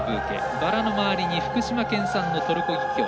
バラの周りに福島県産のトルコキキョウ。